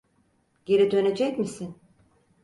Geri dönecek misin?